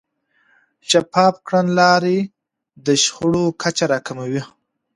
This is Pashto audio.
شفاف کړنلارې د شخړو کچه راکموي.